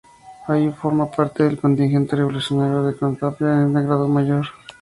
Ahí, forma parte del contingente revolucionario de la Chontalpa con el grado de "Mayor".